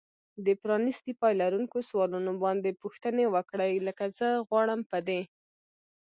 د پرانیستي پای لرونکو سوالونو باندې پوښتنې وکړئ. لکه زه غواړم په دې